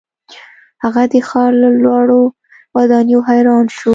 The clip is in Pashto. هغه د ښار له لوړو ودانیو حیران شو.